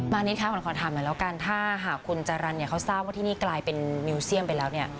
นิดค่ะขอถามหน่อยแล้วกันถ้าหากคุณจารันเนี่ยเขาทราบว่าที่นี่กลายเป็นมิวเซียมไปแล้วเนี่ย